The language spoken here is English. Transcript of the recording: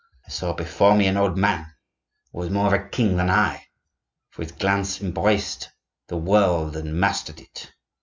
I saw before me an old man who was more of a king than I, for his glance embraced the world and mastered it.